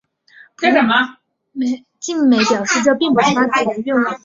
晋美表示这并不是他自己的愿望。